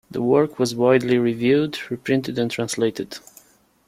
The work was widely reviewed, reprinted and translated.